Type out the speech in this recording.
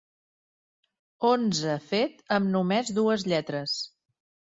Onze fet amb només dues lletres.